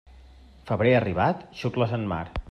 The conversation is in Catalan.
Febrer arribat, xucles en mar.